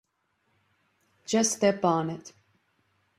Just step on it.